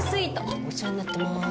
お世話になってます。